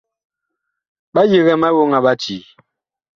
Ɓa yigɛ ma woŋ a Ɓacii.